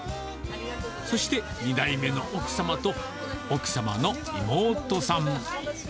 そして２代目の奥様と奥様の妹さん。